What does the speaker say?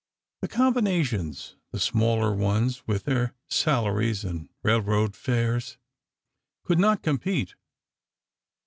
The combinations, the smaller ones, with their salaries and railroad fares, could not compete.